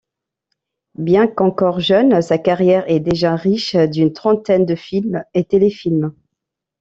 Bien qu'encore jeune, sa carrière est déjà riche d'une trentaine de films et téléfilms.